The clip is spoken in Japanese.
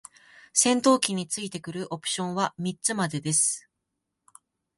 戦闘機に付いてくるオプションは三つまでです。